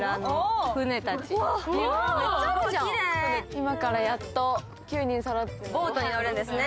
今からやっと９人そろってボートに乗るんですね。